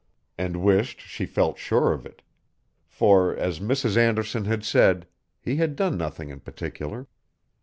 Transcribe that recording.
And wished she felt sure of it. For, as Mrs. Anderson had said, he had done nothing in particular.